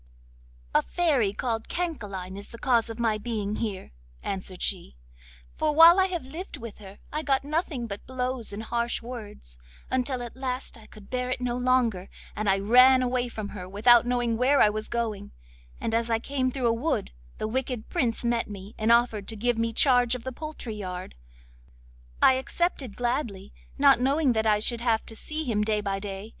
'A Fairy called Cancaline is the cause of my being here,' answered she, 'for while I lived with her I got nothing but blows and harsh words, until at last I could bear it no longer, and ran away from her without knowing where I was going, and as I came through a wood the wicked Prince met me, and offered to give me charge of the poultry yard. I accepted gladly, not knowing that I should have to see him day by day.